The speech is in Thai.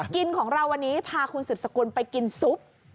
กินของเราวันนี้พาคุณสืบสกุลไปกินซุป